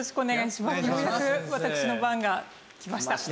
ようやく私の番が来ました。